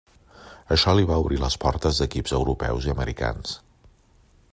Això li va obrir les portes d'equips europeus i americans.